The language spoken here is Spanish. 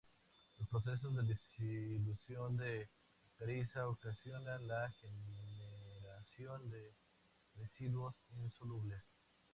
Los procesos de disolución de caliza ocasionan la generación de residuos insolubles.